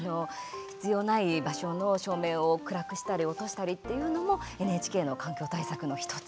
必要ない場所の照明を暗くしたり落としたりっていうのもＮＨＫの環境対策の１つなんです。